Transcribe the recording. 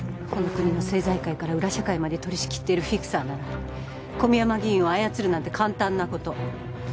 この国の政財界から裏社会まで取り仕切っているフィクサーなら小宮山議員を操るなんて簡単なこと。